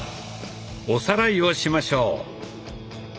おさらいをしましょう。